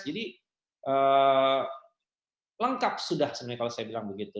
jadi lengkap sudah sebenarnya kalau saya bilang begitu